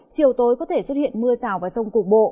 chiều tối có thể xuất hiện mưa rào và rông cục bộ